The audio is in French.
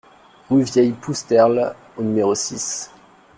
Rue Vieille Pousterle au numéro six